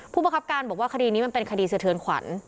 ผู้บังคับการบอกว่าคดีนี้มันเป็นคดีเสือเทินขวัญ